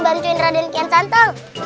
bantuin raden kian santel